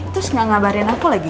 terus gak ngabarin aku lagi